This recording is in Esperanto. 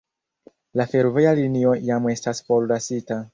La fervoja linio jam estas forlasita.